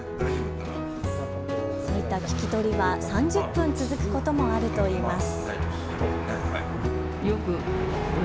そういった聞き取りは３０分続くこともあるといいます。